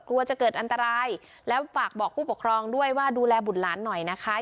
กลัวจะเกิดอันตรายแล้วฝากบอกผู้ปกครองด้วยว่าดูแลบุตรหลานหน่อยนะคะ